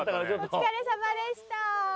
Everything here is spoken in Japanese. お疲れさまでした。